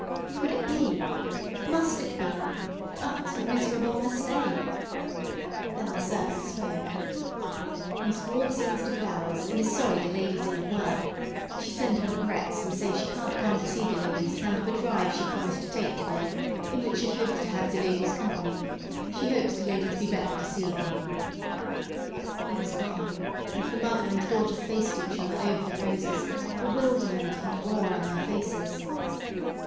Could it be—must it be—but a miserable mistake? Then the servant spoke. "Miss Ward sends de flowers, an' is sorry de ladies ain't well. She send her regrets, an' says she can't come to see de ladies 'count of a drive she'd promised to take to day, in which she'd hoped to have de ladies' comp'ny. She hopes de ladies be better dis even'n'." He was gone, and the mother and daughter faced each other over the roses, bewilderment and awe in their faces.